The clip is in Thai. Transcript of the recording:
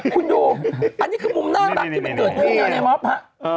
คุณดูอันนี้คือมุมหน้าตักที่เป็นเกิดขึ้นอย่างนั้นครับ